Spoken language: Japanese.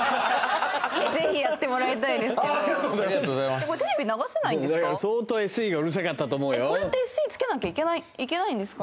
ぜひやってもらいたいですよ